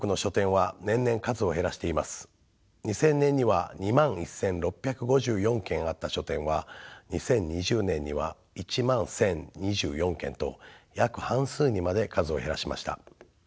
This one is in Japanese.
２０００年には２１，６５４軒あった書店は２０２０年には１１，０２４軒と約半数にまで数を減らしました。